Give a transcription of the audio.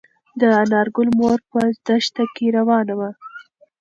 د انارګل مور په دښته کې روانه وه.